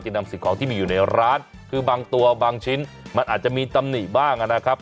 นำสิ่งของที่มีอยู่ในร้านคือบางตัวบางชิ้นมันอาจจะมีตำหนิบ้างนะครับ